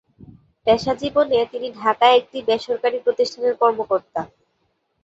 পেশা জীবনে তিনি ঢাকায় একটি বেসরকারি প্রতিষ্ঠানের কর্মকর্তা।